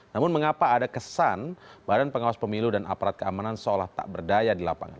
namun mengapa ada kesan badan pengawas pemilu dan aparat keamanan seolah tak berdaya di lapangan